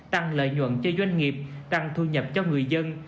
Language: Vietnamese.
tăng lợi nhuận cho doanh nghiệp tăng thu nhập cho người dân